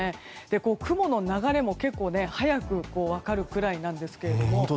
雲の流れも結構早く分かるくらいなんですが。